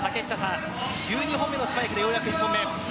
１２本目のスパイクでようやく１本目です。